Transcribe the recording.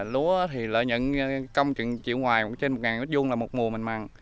lúa thì lợi nhận công trình triệu ngoài trên một m hai là một mùa mình mặn